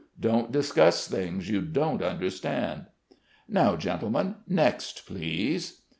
Don't discuss things you don't understand.'" "Now, gentlemen, next, please."